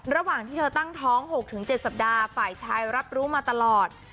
ระหว่างที่เธอตั้งท้อง๖๗สัปดาห์ฝ่ายชายรับรู้มาตลอด